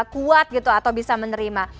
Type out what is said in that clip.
kuat gitu atau bisa menerima